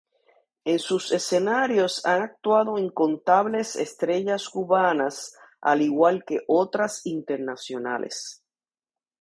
En sus escenarios han actuado incontables estrellas cubanas al igual que otras internacionales.